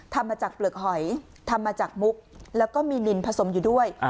ทำมาจากเปลือกหอยทำมาจากมุกแล้วก็มีลินผสมอยู่ด้วย